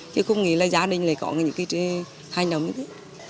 chứ không nghĩ là gia đình này có những cái hay lắm như thế